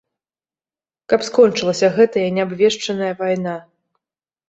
Каб скончылася гэтая неабвешчаная вайна.